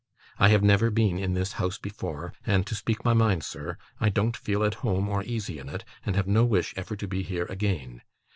I have never been in this house before; and, to speak my mind, sir, I don't feel at home or easy in it, and have no wish ever to be here again.